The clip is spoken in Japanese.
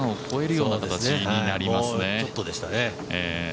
もうちょっとでしたね。